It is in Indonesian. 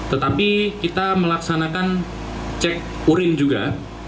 tetapi kita melaksanakan cek urin juga